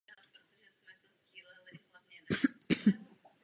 Itálii reprezentovala v sedmdesátých letech.